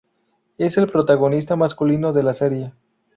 Es el protagonista masculino de la serie.